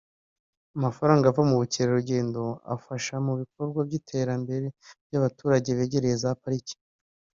amafaranga ava mu bukerarugendo agafasha mu bikorwa by’iterambere by’abaturage begereye za Pariki